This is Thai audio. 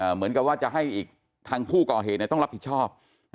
เหมือนกับว่าจะให้อีกทางผู้ก่อเหตุต้องรับผิดชอบ